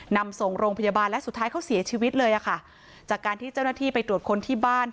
นำส่งโรงพยาบาลและสุดท้ายเขาเสียชีวิตเลยอ่ะค่ะจากการที่เจ้าหน้าที่ไปตรวจคนที่บ้าน